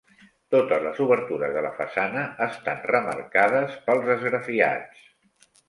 Totes les obertures de la façana estan remarcades pels esgrafiats.